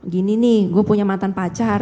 gini nih gue punya mantan pacar